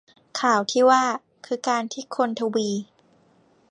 ข่าวที่ว่า คือ การที่คนทวี